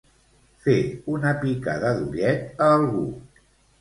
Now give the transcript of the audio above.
Fer una picada d'ullet a algú